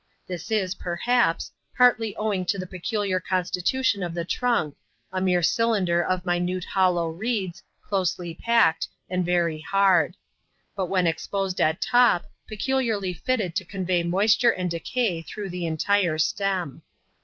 This is, perhaps,' partly owing to the peculiar constitution of fthe trunk, a mere cylinder of minute hollow reeds, closely packed, and very hard ; but when exposed at top, peculiarly fitted to convey moisture and diecay through the entire stem.